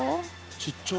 ちっちゃ。